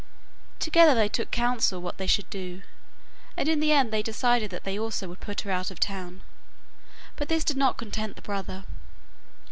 Together they took counsel what they should do, and in the end they decided that they also would put her out of the town. But this did not content the brother.